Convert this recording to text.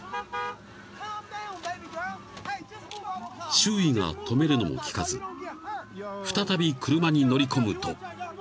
［周囲が止めるのも聞かず再び車に乗り込むと］